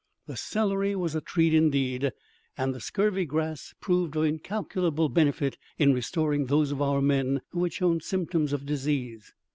The celery was a treat indeed, and the scurvy grass proved of incalculable benefit in restoring those of our men who had shown symptoms of disease.